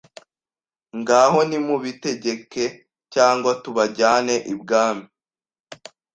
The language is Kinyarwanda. ngaho nimubitegeke cyangwa tubajyane ibwami